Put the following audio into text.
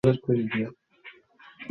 Mic, আমার ভাই কোথায়?